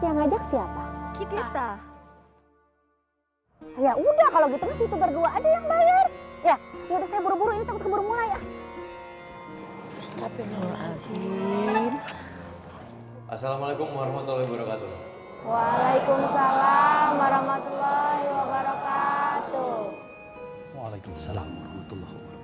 waalaikumsalam warahmatullahi wabarakatuh